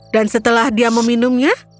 dan setelah dia meminumnya